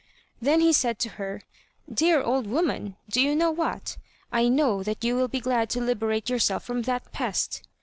Then he said to her: "Dear old woman, do you know what? I know that you will be glad to liberate yourself from that pest."